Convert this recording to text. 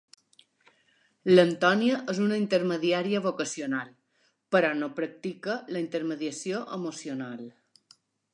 L'Antonia és una intermediària vocacional, però no practica la intermediació emocional.